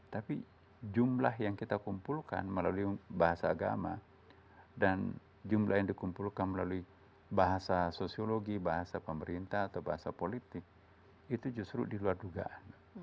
tapi jumlah yang kita kumpulkan melalui bahasa agama dan jumlah yang dikumpulkan melalui bahasa sosiologi bahasa pemerintah atau bahasa politik itu justru diluar dugaan